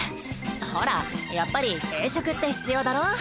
ほらやっぱり軽食って必要だろ。